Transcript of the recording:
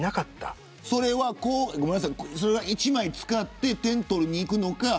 それは１枚使って点取りにいくのか。